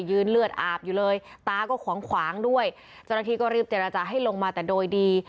ยืนเลือดอาบอยู่เลยตาก็ขวางด้วยจนทีก็รีบเจรจาให้ลงมาแต่โดยดี